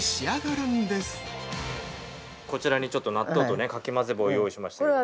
◆こちらにちょっと納豆とかき混ぜ棒をご用意しました。